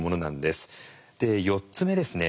で４つ目ですね